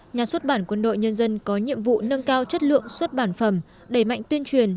nhà xuất bản quân đội nhân dân có nhiệm vụ nâng cao chất lượng xuất bản phẩm đẩy mạnh tuyên truyền